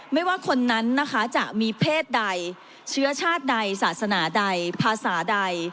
ไม่ว่าคนนั้นนะคะจะมีเพศใดเชื้อชาติใดศาสนาใดภาษาใด